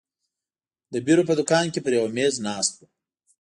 د بیرو په دوکان کې پر یوه مېز ناست وو.